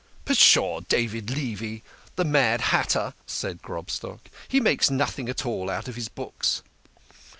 " Pshaw ! David Levi ! The mad hatter !" cried Grob stock. " He makes nothing at all out of his books."